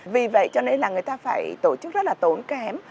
vì vậy cho nên là người ta phải tổ chức rất là tốn kém